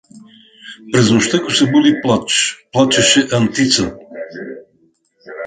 През нощта го събуди плач — плачеше Антица.